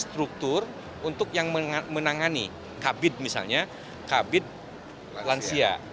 struktur untuk yang menangani kabit misalnya kabit lansia